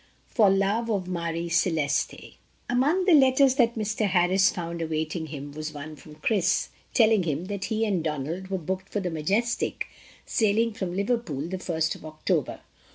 FOR LOVE OF MARIE CELESTE. [Illustration: 9228] Among the letters that Mr. Harris found awaiting him was one from Chris, telling him that he and Donald were booked for the Majestic, sailing from Liverpool the first of October.